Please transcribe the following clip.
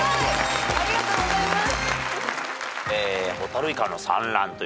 ありがとうございます。